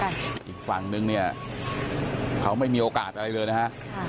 อีกฝั่งนึงเนี่ยเขาไม่มีโอกาสอะไรเลยนะฮะ